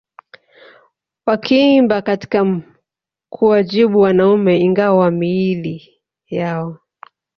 wakiimba katika kuwajibu wanaume Ingawa miili yao